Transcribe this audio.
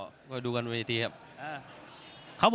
นักมวยจอมคำหวังเว่เลยนะครับ